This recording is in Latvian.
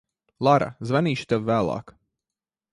Lara, zvanīšu tev vēlāk.